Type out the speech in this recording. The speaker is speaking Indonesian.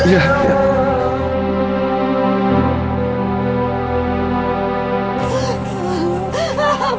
ya ya pak